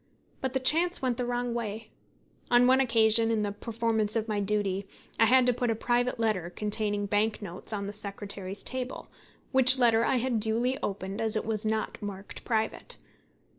But the chance went the wrong way. On one occasion, in the performance of my duty, I had to put a private letter containing bank notes on the secretary's table, which letter I had duly opened, as it was not marked private.